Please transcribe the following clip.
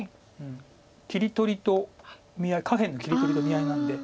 切り取りと見合い下辺の切り取りと見合いなんで。